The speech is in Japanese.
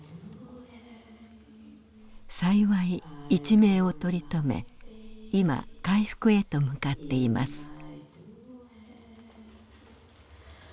幸い一命を取り留め今回復へと向かっています。